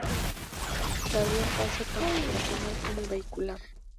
Se abrió el paso tanto peatonal como vehicular.